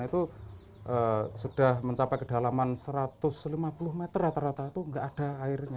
itu sudah mencapai kedalaman satu ratus lima puluh meter rata rata itu nggak ada airnya